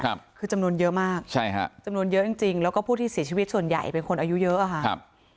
คือจำนวนเยอะมากใช่ฮะจำนวนเยอะจริงจริงแล้วก็ผู้ที่เสียชีวิตส่วนใหญ่เป็นคนอายุเยอะอ่ะค่ะครับ